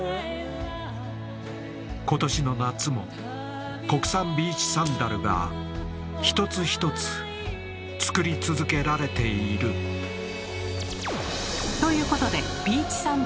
今年の夏も国産ビーチサンダルが一つ一つ作り続けられているということで草履作るよね草履。